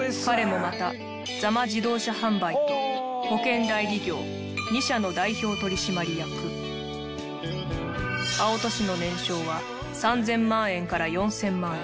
彼もまたザマ自動車販売と保険代理業２社の代表取締役青砥の年商は３０００万円から４０００万